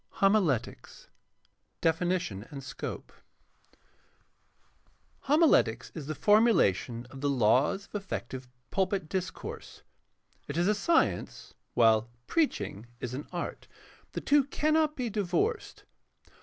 HOMILETICS I. DEFINITION AND SCOPE Homiletics is the formulation of the laws of effective pulpit discourse. It is a science, while preaching is an art. The two cannot be divorced.